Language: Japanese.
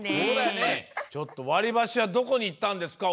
ちょっとわりばしはどこにいったんですか？